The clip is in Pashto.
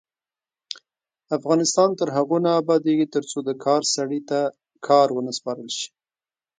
افغانستان تر هغو نه ابادیږي، ترڅو د کار سړي ته کار ونه سپارل شي.